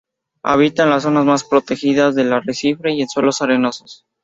Habita en las zonas más protegidas del arrecife y en suelos arenosos.